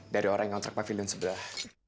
dari orang yang ngtrak pavilion sebelah